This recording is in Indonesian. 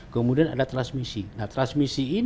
kemudian ada transmisi nah transmisiin